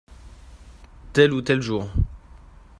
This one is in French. Tel ou tel jour.